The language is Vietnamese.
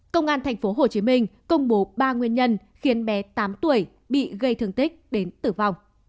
công an tp hcm công bố ba nguyên nhân khiến bé tám tuổi bị gây thương tích đến tử vong